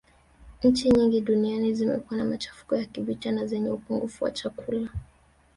Nchi nyingi duniani zimekuwa na machafuko ya kivita na zenye upungufu wa chakula